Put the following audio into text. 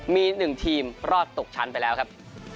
มี๑ทีมรอดตกชั้นไปแล้วครับ